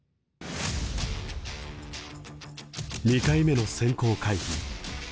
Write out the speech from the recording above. ２回目の選考会議。